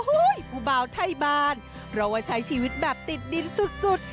ผู้เบาไทยบานเพราะว่าใช้ชีวิตแบบติดดินสุด